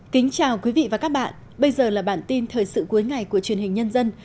chào mừng quý vị đến với bản tin thời sự cuối ngày của truyền hình nhân dân